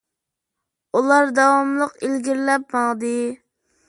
ئۇلار داۋاملىق ئىلگىرىلەپ ماڭدى.